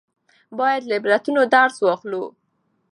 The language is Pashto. باید له عبرتونو درس واخلو.